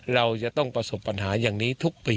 เราจะต้องประสบปัญหาอย่างนี้ทุกปี